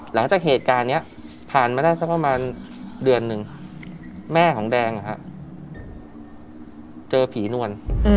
หลังจากเหตุการณ์นี้ผ่านมาได้สักประมาณเดือนหนึ่งแม่ของแดงเจอผีนวล